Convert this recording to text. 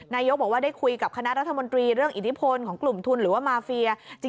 นายกบอกว่าได้คุยกับคณะรัฐมนตรีเรื่องอิทธิพลของกลุ่มทุนหรือว่ามาเฟีย